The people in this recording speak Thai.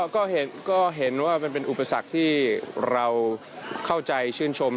ก็เห็นว่ามันเป็นอุปสรรคที่เราเข้าใจชื่นชม